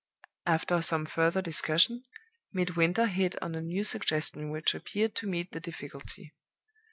After some further discussion, Midwinter hit on a new suggestion which appeared to meet the difficulty.